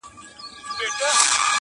له ستړیا یې اندامونه رېږدېدله -